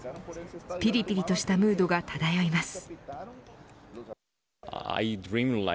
ぴりぴりとしたムードが漂います。